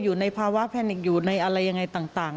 อยู่ในภาวะแพนิกอยู่ในอะไรยังไงต่าง